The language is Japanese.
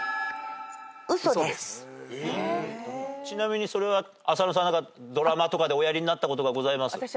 ちなみにそれは浅野さんドラマとかでおやりになったことがございます？